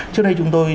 trước đây chúng tôi